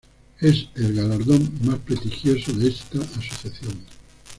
Es el galardón más prestigioso de esta asociación.